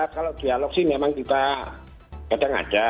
kalau dialog sih memang kita kadang ada